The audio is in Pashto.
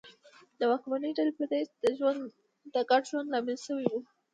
د واکمنې ډلې پیدایښت د ګډ ژوند لامل شوي وي.